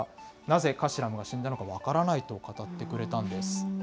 なぜカシラムは死んだのか分からないと語ってくれたんです。